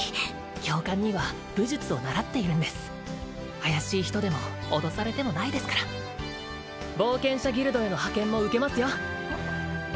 教官には武術を習っているんです怪しい人でも脅されてもないですから冒険者ギルドへの派遣も受けますよ